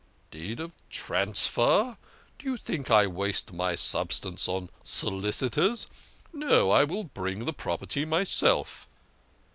" The deed of transfer ! Do you think I waste my sub stance on solicitors? No, I will bring the property itself."